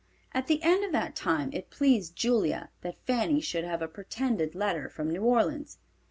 At the end of that time it pleased Julia that Fanny should have a pretended letter from New Orleans.